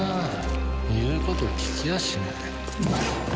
言うこと聞きやしない。